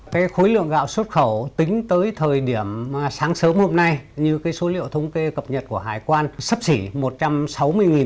cái khối lượng gạo xuất khẩu tính tới thời điểm sáng sớm hôm nay như cái số liệu thống kê cập nhật của hải quan sắp chỉ